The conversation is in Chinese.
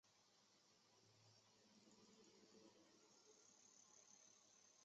它用于有机合成中巯基的引入。